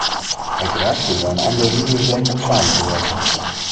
Uiteraard kunnen we aan andere manieren denken om samen te werken.